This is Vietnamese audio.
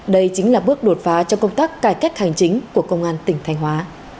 đây chính là bước đột phá trong công tác cải cách hành chính của công an tỉnh thanh hóa